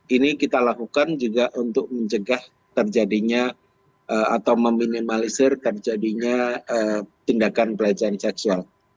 ini kita lakukan juga untuk mencegah terjadinya atau meminimalisir terjadinya tindakan pelecehan seksual